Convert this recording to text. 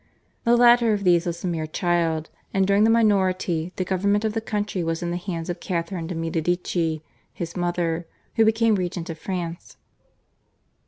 The latter of these was a mere child, and during the minority the government of the country was in the hands of Catharine de' Medici, his mother, who became regent of France.